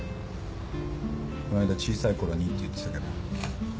この間小さいころにって言ってたけど。